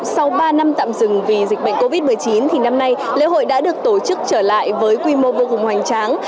sau ba năm tạm dừng vì dịch bệnh covid một mươi chín thì năm nay lễ hội đã được tổ chức trở lại với quy mô vô cùng hoành tráng